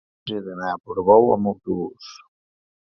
dilluns he d'anar a Portbou amb autobús.